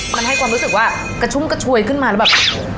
มันให้ความรู้สึกว่ากระชุ่มกระชวยขึ้นมาแล้วแบบ